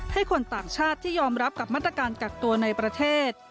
ให้คนต่างชาติที่ยอมรับกับมาตรการกักตัวในประเทศ